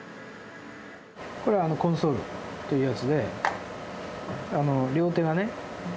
これコンソールというやつで両手がね